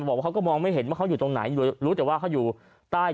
บอกว่าเขาก็มองไม่เห็นว่าเขาอยู่ตรงไหนรู้แต่ว่าเขาอยู่ใต้